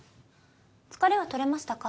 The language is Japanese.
疲れはとれましたか？